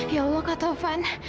ya allah kak taufan